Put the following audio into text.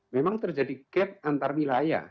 memang terjadi gap antarwilayah